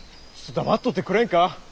黙っとってくれんか！